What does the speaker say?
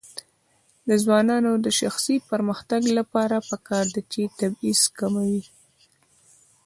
د ځوانانو د شخصي پرمختګ لپاره پکار ده چې تبعیض کموي.